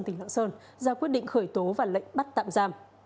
tỉnh lạng sơn ra quyết định khởi tố và lệnh bắt tạm giam